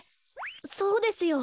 そうですよ。